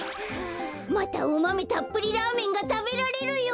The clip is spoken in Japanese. またおマメたっぷりラーメンがたべられるよ。